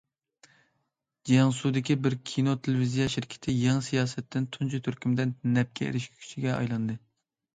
جياڭسۇدىكى بىر كىنو تېلېۋىزىيە شىركىتى يېڭى سىياسەتتىن تۇنجى تۈركۈمدە نەپكە ئېرىشكۈچىگە ئايلاندى.